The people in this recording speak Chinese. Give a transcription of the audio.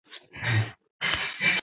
利尼斯鸟是一类反鸟亚纲鸟类。